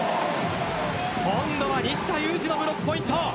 今度は西田有志のブロックポイント。